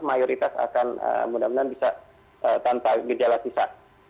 mayoritas akan mudah mudahan bisa tanpa medialatisa